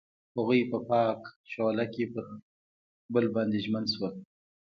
هغوی په پاک شعله کې پر بل باندې ژمن شول.